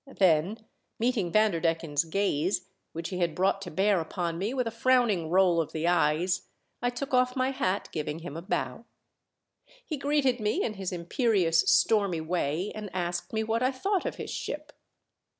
Then meeting Vander decken's gaze, which he had brought to bear upon me with a frowning roll of the eyes, I took off my hat, giving him a bow. He greeted me in his imperious stormy way, and asked me what I thought of his ship.